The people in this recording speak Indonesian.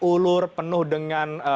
ulur penuh dengan